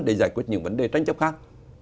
để giải quyết những vấn đề tranh chấp khác